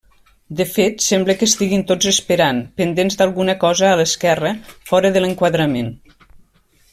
De fet, sembla que estiguin tots esperant, pendents d'alguna cosa a l'esquerra, fora de l'enquadrament.